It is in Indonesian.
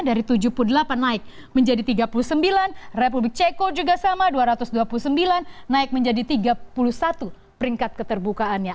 dari tujuh puluh delapan naik menjadi tiga puluh sembilan republik ceko juga sama dua ratus dua puluh sembilan naik menjadi tiga puluh satu peringkat keterbukaannya